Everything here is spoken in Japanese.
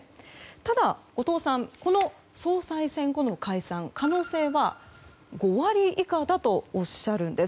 ただ、後藤さんこの総裁選後の解散可能性は５割以下だとおっしゃるんです。